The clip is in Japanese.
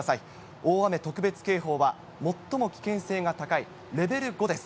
大雨特別警報は最も危険性が高いレベル５です。